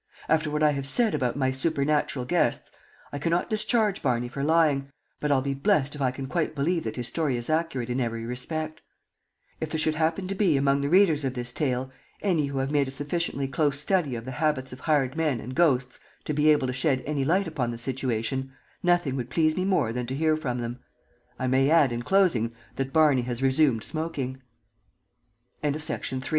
After what I have said about my supernatural guests, I cannot discharge Barney for lying, but I'll be blest if I can quite believe that his story is accurate in every respect. If there should happen to be among the readers of this tale any who have made a sufficiently close study of the habits of hired men and ghosts to be able to shed any light upon the situation, nothing would please me more than to he